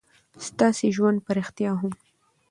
ستاسې ژوند په رښتيا هم